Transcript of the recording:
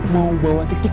mau bawa titik pergi